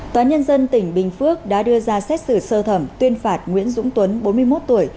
tòa nhân dân tỉnh bình phước đã đưa ra xét xử sơ thẩm tuyên phạt nguyễn dũng tuấn bốn mươi một tuổi